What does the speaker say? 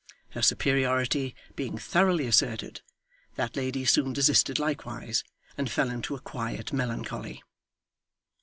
Her superiority being thoroughly asserted, that lady soon desisted likewise, and fell into a quiet melancholy.